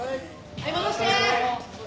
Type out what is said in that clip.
はい戻して！